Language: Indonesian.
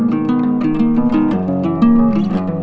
kabush terus heho